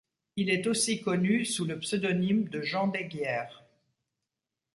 Il est aussi connu sous le pseudonyme de Jean d'Aiguières.